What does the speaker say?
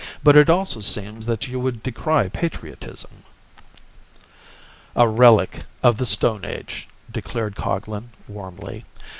"But it also seems that you would decry patriotism." "A relic of the stone age," declared Coglan, warmly.